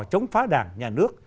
chống phá đảng nhà nước